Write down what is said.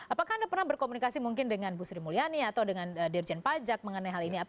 apakah anda pernah berkomunikasi mungkin dengan bu sri mulyani atau dengan dirjen pajak mengenai hal ini